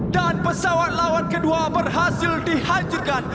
dan pesawat lawan kedua berhasil dihancurkan